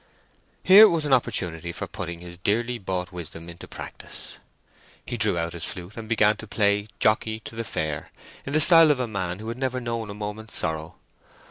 Here was an opportunity for putting his dearly bought wisdom into practice. He drew out his flute and began to play "Jockey to the Fair" in the style of a man who had never known a moment's sorrow.